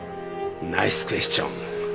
ナイスクエスチョン！